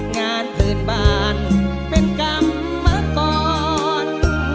งานพื้นบ้านเป็นกรรมเมื่อก่อน